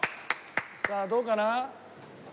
さあどうかな？